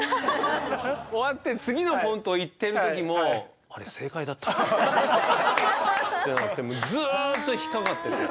終わって次のコントいってるときもあれ正解だったのかな？ってなってもうずっと引っかかってて。